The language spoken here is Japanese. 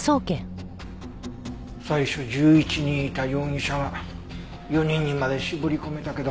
最初１１人いた容疑者が４人にまで絞り込めたけど。